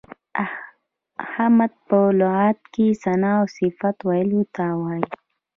حمد په لغت کې ثنا او صفت ویلو ته وایي.